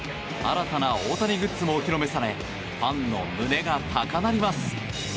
新たな大谷グッズもお披露目されファンの胸が高鳴ります。